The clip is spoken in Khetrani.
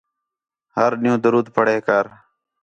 ہر دِھن درود پڑھے کر